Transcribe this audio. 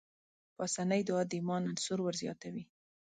پاسنۍ دعا د ايمان عنصر ورزياتوي.